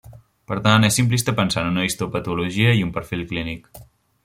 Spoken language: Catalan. Per tant, és simplista pensar en una histopatologia i un perfil clínic.